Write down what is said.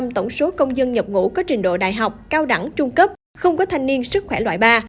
một mươi tổng số công dân nhập ngũ có trình độ đại học cao đẳng trung cấp không có thanh niên sức khỏe loại ba